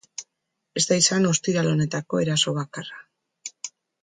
Ez da izan ostiral honetako eraso bakarra.